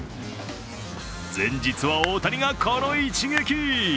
前日は大谷がこの一撃。